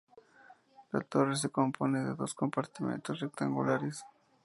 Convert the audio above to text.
La torre se compone de dos compartimentos rectangulares.